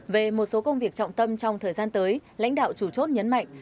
về một số công việc trọng tâm trong thời gian tới lãnh đạo chủ chốt nhấn mạnh